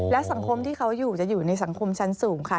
และสังคมที่เขาอยู่จะอยู่ในสังคมชั้นสูงค่ะ